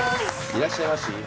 いらっしゃいまし。